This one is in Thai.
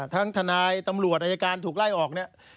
ทั้งทนายตำรวจอายการถูกไล่ออก